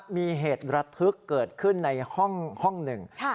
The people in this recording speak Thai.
มีเหตุระทึกเกิดขึ้นในห้องหนึ่ง